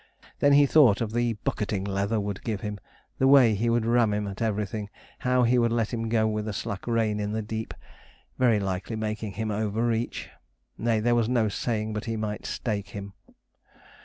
Then he thought of the bucketing Leather would give him; the way he would ram him at everything; how he would let him go with a slack rein in the deep very likely making him over reach nay, there was no saying but he might stake him.